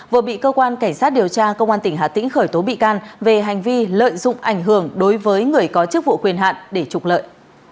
vừa bị cơ quan cảnh sát điều tra công an tỉnh hà tĩnh khởi tố bị can về hành vi lợi dụng ảnh hưởng đối với người có chức vụ quyền hạn để trục lợi